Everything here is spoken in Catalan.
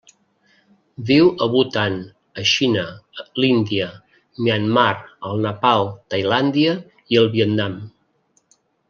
Viu a Bhutan, la Xina, l'Índia, Myanmar, el Nepal, Tailàndia i el Vietnam.